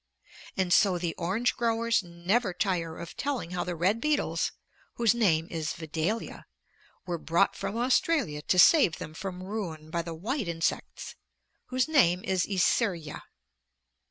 And so the orange growers never tire of telling how the red beetles (whose name is Vedalia) were brought from Australia to save them from ruin by the white insects (whose name is Icerya)."